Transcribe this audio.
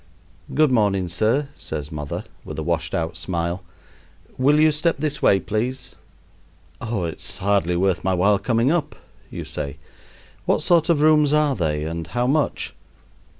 "Good morning, sir," says "mother," with a washed out smile. "Will you step this way, please?" "Oh, it's hardly worth while my coming up," you say. "What sort of rooms are they, and how much?"